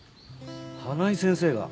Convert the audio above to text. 花井先生が？